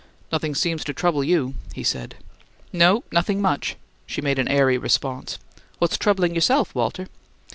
"Nothing seems to trouble you!" he said. "No; nothing much," she made airy response. "What's troubling yourself, Walter?"